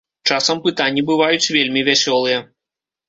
Часам пытанні бываюць вельмі вясёлыя.